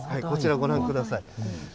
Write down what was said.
こちらご覧ください。